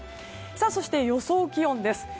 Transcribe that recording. そして、予想気温です。